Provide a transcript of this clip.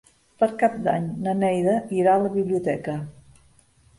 Per Cap d'Any na Neida irà a la biblioteca.